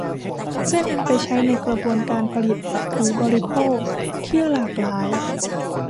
เพื่อนำไปใช้ในกระบวนการผลิตหรือบริโภคที่หลากหลาย